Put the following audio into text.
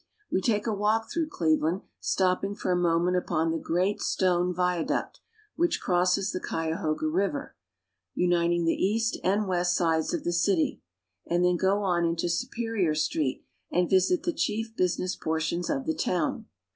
We take a walk through Cleveland, stopping for a mo ment upon the great stone viaduct which crosses the Cuya hoga River, uniting the east and west sides of the city, and then go on into Superior Street and visit the chief business portions of the town.